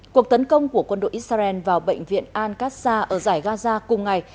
cuộc tấn công của quân đội israel vào bệnh viện al qatar ở giải gaza cùng ngày